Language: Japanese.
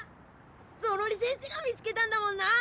ゾロリせんせが見つけたんだもんなあ